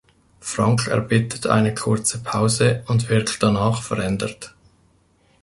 Frank erbittet eine kurze Pause und wirkt danach verändert.